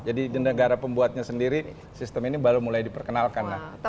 jadi gara gara pembuatnya sendiri sistem ini baru mulai diperkenalkan